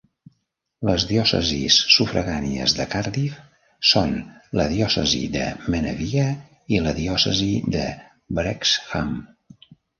Les diòcesis sufragànies de Cardiff són la Diòcesi de Menevia i la Diòcesi de Wrexham.